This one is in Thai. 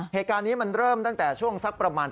เหตุการณ์นี้มันเริ่มตั้งแต่ช่วงสักประมาณ